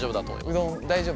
うどん大丈夫？